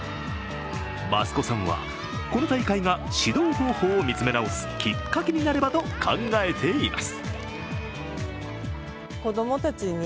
益子さんはこの大会が指導方法を見つめ直すきっかけになればと考えています。